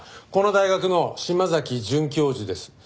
この大学の島崎准教授です。